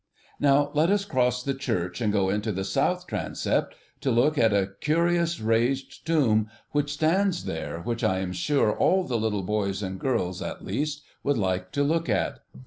Now let us cross the church, and go into the south transept to look at a curious raised tomb which stands there, which I am sure all the little boys and girls, at least, would like to look at.